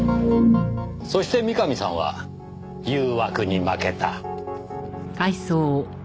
そして三上さんは誘惑に負けた。